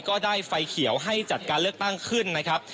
ก็ได้ไฟเขียวให้จัดการเลือกตั้งขึ้นนะครับ